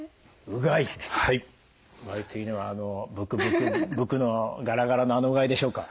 うがいというのはあのブクブクブクのガラガラのあのうがいでしょうか？